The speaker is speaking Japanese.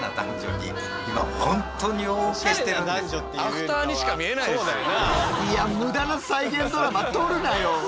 アフターにしか見えないですよ。